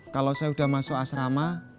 kalau saya sudah masuk asrama